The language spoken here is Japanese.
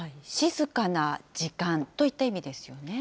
静かな時間といった意味ですよね。